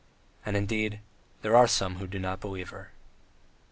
... And, indeed, there are some who do not believe her.